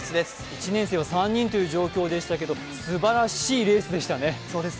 １年生は３人という状況でしたけれども、すばらしいレースでしたね。